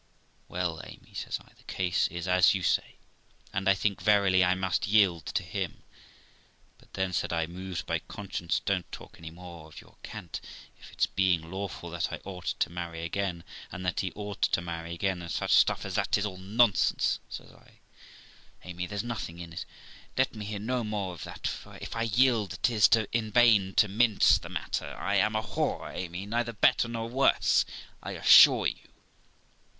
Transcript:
' Well, Amy ', says I, ' the case is as you say, and I think verily I must yield to him; but then', said I, moved by conscience, 'don't talk any more of your cant of its being lawful that I ought to marry again, and that he ought to marry again, and such stuff as that; 'tis all nonsense', says I, 'Amy, there's nothing in it; let me hear no more of that, for, if I yield, 'tis in vain to mince the matter, I am a whore, Amy ; neither better nor worse, I assure you.